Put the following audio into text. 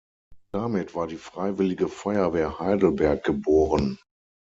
Damit war die Freiwillige Feuerwehr Heidelberg geboren.